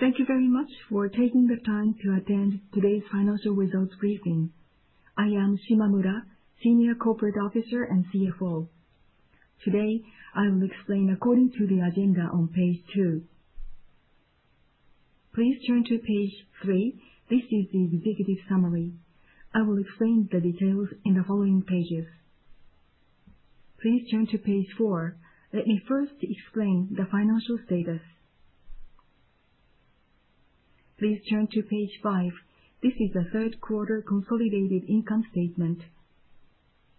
Thank you very much for taking the time to attend today's financial results briefing. I am Shimamura, Senior Corporate Officer and CFO. Today, I will explain according to the agenda on page 2. Please turn to page 3. This is the executive summary. I will explain the details in the following pages. Please turn to page 4. Let me first explain the financial status. Please turn to page 5. This is the third quarter consolidated income statement.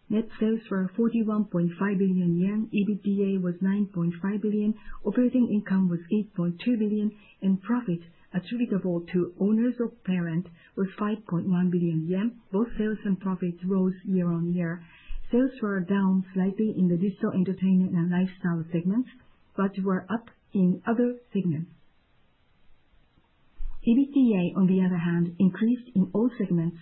Net sales were 41.5 billion yen, EBITDA was 9.5 billion, operating income was 8.2 billion and profit attributable to owners of parent was 5.1 billion yen. Both sales and profits rose year-on-year. Sales were down slightly in the digital entertainment and lifestyle segments, but were up in other segments. EBITDA, on the other hand, increased in all segments.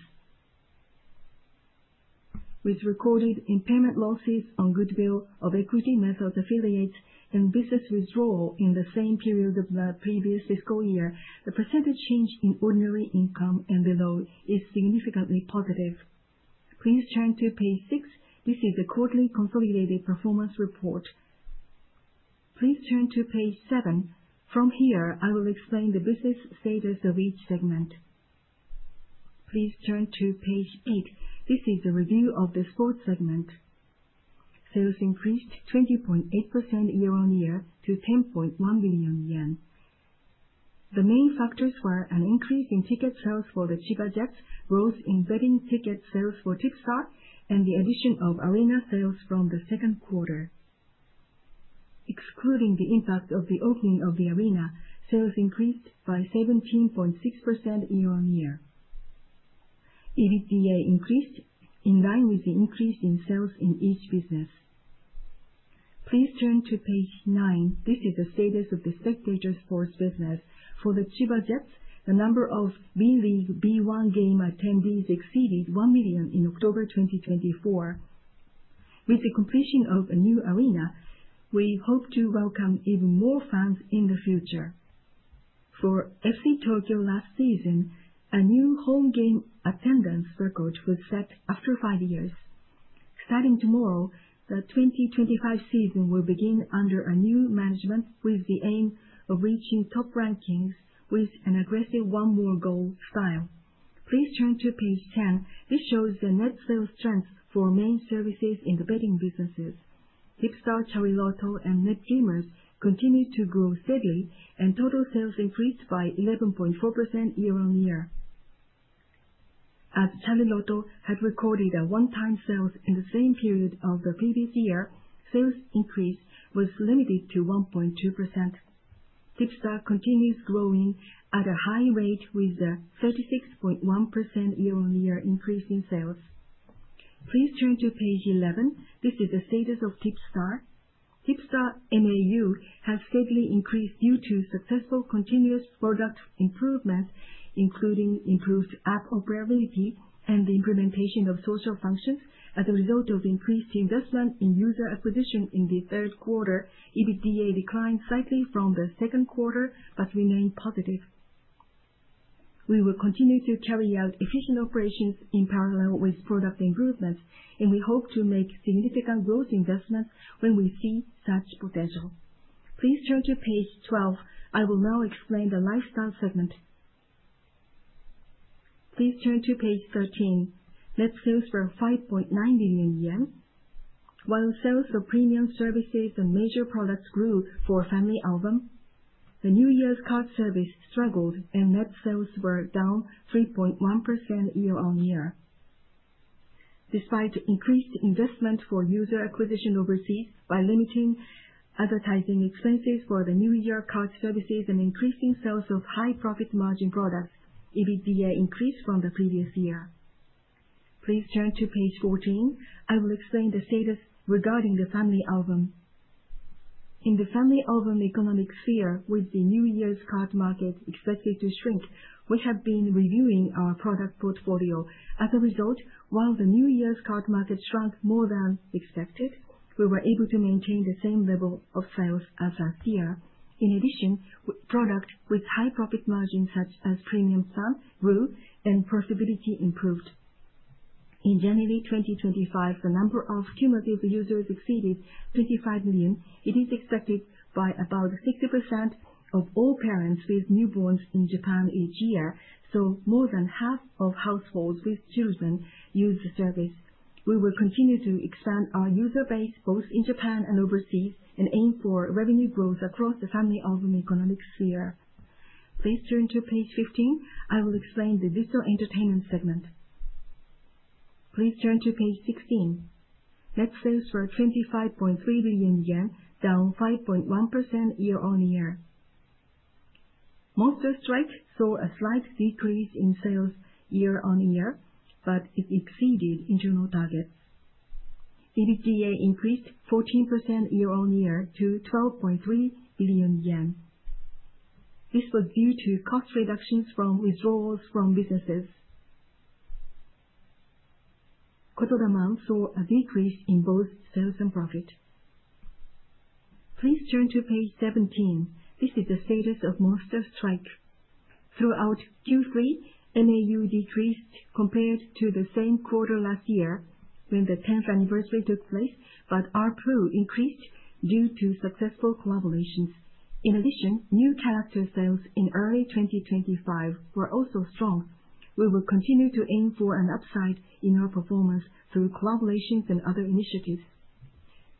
With recorded impairment losses on goodwill of equity method affiliates and business withdrawal in the same period of the previous fiscal year, the percentage change in ordinary income and below is significantly positive. Please turn to page 6. This is the quarterly consolidated performance report. Please turn to page 7. From here, I will explain the business status of each segment. Please turn to page 8. This is the review of the sports segment. Sales increased 20.8% year on year to 10.1 billion yen. The main factors were an increase in ticket sales for the Chiba Jets, growth in betting ticket sales for TIPSTAR, and the addition of arena sales from the second quarter. Excluding the impact of the opening of the arena, sales increased by 17.6% year on year. EBITDA increased in line with the increase in sales in each business. Please turn to page 9. This is the status of the spectators' sports business. For the Chiba Jets, the number of B.League B1 game attendees exceeded 1 million in October 2024. With the completion of a new arena, we hope to welcome even more fans in the future. For FC Tokyo last season, a new home game attendance record was set after five years. Starting tomorrow, the 2025 season will begin under a new management with the aim of reaching top rankings with an aggressive one-more-goal style. Please turn to page 10. This shows the net sales strength for main services in the betting businesses. TIPSTAR, Chariloto, and Net Dreamers continued to grow steadily, and total sales increased by 11.4% year on year. As Chariloto had recorded a one-time sales in the same period of the previous year, sales increase was limited to 1.2%. TIPSTAR continues growing at a high rate with a 36.1% year-on-year increase in sales. Please turn to page 11. This is the status of TIPSTAR. Tipstar MAU has steadily increased due to successful continuous product improvements, including improved app operability and the implementation of social functions. As a result of increased investment in user acquisition in the third quarter, EBITDA declined slightly from the second quarter but remained positive. We will continue to carry out efficient operations in parallel with product improvements, and we hope to make significant growth investments when we see such potential. Please turn to page 12. I will now explain the lifestyle segment. Please turn to page 13. Net sales were 5.9 million yen, while sales of premium services and major products grew for FamilyAlbum. The New Year's card service struggled, and net sales were down 3.1% year-on-year. Despite increased investment for user acquisition overseas by limiting advertising expenses for the New Year's card services and increasing sales of high-profit margin products, EBITDA increased from the previous year. Please turn to page 14. I will explain the status regarding the FamilyAlbum. In the FamilyAlbum economic sphere, with the New Year's card market expected to shrink, we have been reviewing our product portfolio. As a result, while the New Year's card market shrank more than expected, we were able to maintain the same level of sales as last year. In addition, products with high-profit margins such as Premium, Store and Profitability improved. In January 2025, the number of cumulative users exceeded 25 million. It is expected by about 60% of all parents with newborns in Japan each year, so more than half of households with children use the service. We will continue to expand our user base both in Japan and overseas and aim for revenue growth across the FamilyAlbum economic sphere. Please turn to page 15. I will explain the digital entertainment segment. Please turn to page 16. Net sales were 25.3 billion yen, down 5.1% year-on-year. Monster Strike saw a slight decrease in sales year-on-year, but it exceeded internal targets. EBITDA increased 14% year-on-year to 12.3 billion yen. This was due to cost reductions from withdrawals from businesses. Kotodaman saw a decrease in both sales and profit. Please turn to page 17. This is the status of Monster Strike. Throughout Q3, MAU decreased compared to the same quarter last year when the 10th anniversary took place, but ARPU increased due to successful collaborations. In addition, new character sales in early 2025 were also strong. We will continue to aim for an upside in our performance through collaborations and other initiatives.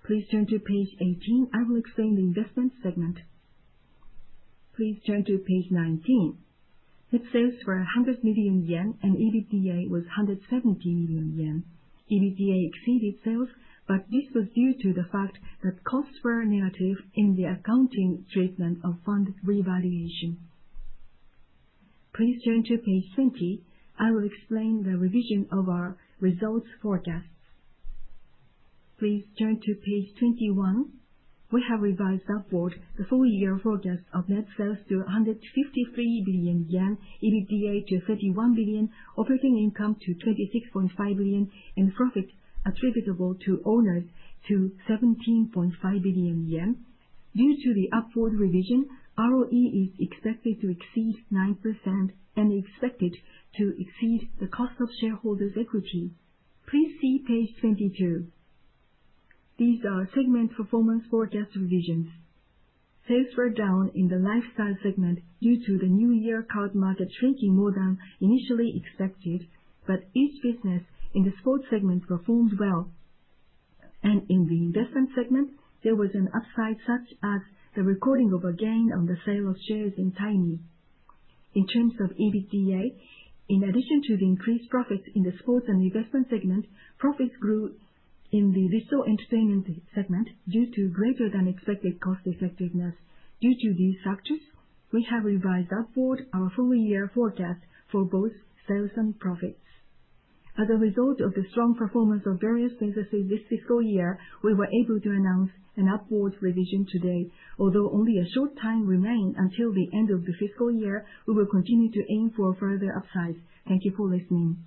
Please turn to page 18. I will explain the investment segment. Please turn to page 19. Net sales were 100 million yen, and EBITDA was 170 million yen. EBITDA exceeded sales, but this was due to the fact that costs were negative in the accounting treatment of fund revaluation. Please turn to page 20. I will explain the revision of our results forecasts. Please turn to page 21. We have revised upward the full-year forecast of net sales to 153 billion yen, EBITDA to 31 billion, operating income to 26.5 billion, and profit attributable to owners to 17.5 billion yen. Due to the upward revision, ROE is expected to exceed 9% and expected to exceed the cost of shareholders' equity. Please see page 22. These are segment performance forecast revisions. Sales were down in the lifestyle segment due to the New Year card market shrinking more than initially expected, but each business in the sports segment performed well, and in the investment segment, there was an upside such as the recording of a gain on the sale of shares in Timee. In terms of EBITDA, in addition to the increased profits in the sports and investment segment, profits grew in the digital entertainment segment due to greater than expected cost effectiveness. Due to these factors, we have revised upward our full-year forecast for both sales and profits. As a result of the strong performance of various businesses this fiscal year, we were able to announce an upward revision today. Although only a short time remains until the end of the fiscal year, we will continue to aim for further upsides. Thank you for listening.